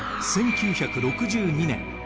１９６２年